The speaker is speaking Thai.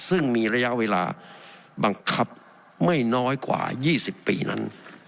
ซึ่งมีระยะเวลาบังคับไม่น้อยกว่า๒๐ปีนั้น